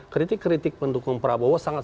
kritik kritik pendukung prabowo sangat